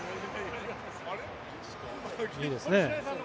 いいですね。